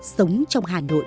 sống trong hà nội